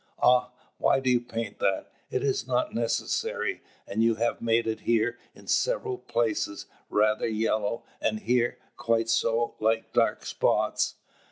"Ah! why do you paint that? it is not necessary: and you have made it here, in several places, rather yellow; and here, quite so, like dark spots."